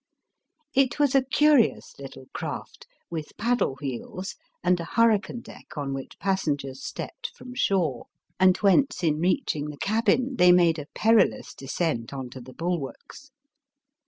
It* was a curious little craft, with paddle wheels, and a hurricane deck on which pas sengers stepped from shore, and whence in reaching the cabin they made a perilous descent on to the bulwarks.